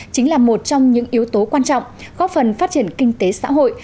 chính là một trong những yếu tố quan trọng góp phần phát triển kinh tế xã hội